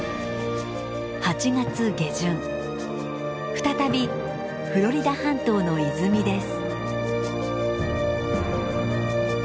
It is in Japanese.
再びフロリダ半島の泉です。